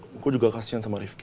gue juga kasian sama rifky